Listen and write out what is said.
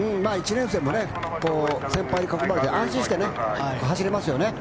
１年生も先輩に囲まれて安心して走れますよね。